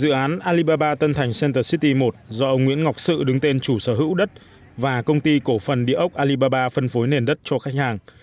dự án alibaba tân thành center city một do ông nguyễn ngọc sự đứng tên chủ sở hữu đất và công ty cổ phần địa ốc alibaba phân phối nền đất cho khách hàng